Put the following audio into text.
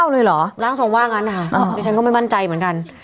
เลยเหรอร่างทรงว่างั้นนะคะดิฉันก็ไม่มั่นใจเหมือนกัน